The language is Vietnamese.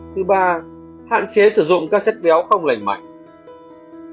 thứ ba hạn chế sử dụng các chất béo không lành mạnh